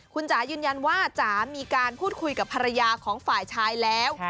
คุณจ๋ายืนยันว่าจ๋ามีการพูดคุยกับภรรยาของฝ่ายชายแล้ว